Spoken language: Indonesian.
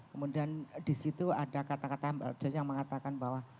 kemudian disitu ada kata kata mbak georgia yang mengatakan bahwa